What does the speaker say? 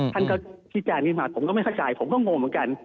ท่านก็ชี้แจงขึ้นมาผมก็ไม่เข้าใจผมก็งงเหมือนกัน